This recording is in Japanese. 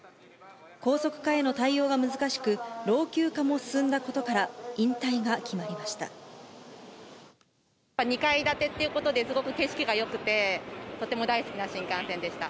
高速化への対応が難しく、老朽化も進んだことから、引退が決まりました。